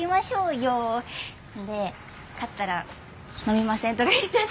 で勝ったら飲みません？とか言っちゃって。